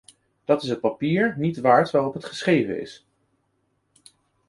Dat is het papier niet waard waarop het geschreven is.